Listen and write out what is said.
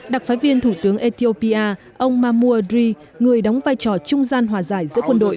đặc phái viên thủ tướng ethiopia ông mahmoud ri người đóng vai trò trung gian hòa giải giữa quân đội